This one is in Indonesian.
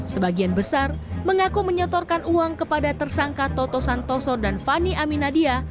sebagian besar mengaku menyotorkan uang kepada tersangka toto santoso dan fani aminadia